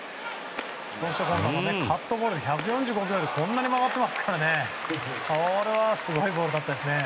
そしてカットボール１４５キロとこんなに曲がってますからこれはすごいボールでしたね。